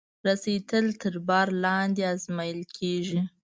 رسۍ تل تر بار لاندې ازمېیل کېږي.